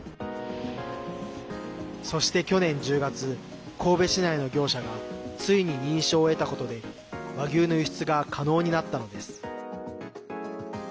そして、去年１０月神戸市内の業者がついに認証を得たことで和牛の輸出が可能になったのです。